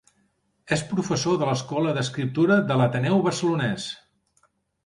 És professor de l’Escola d’Escriptura de l’Ateneu Barcelonès.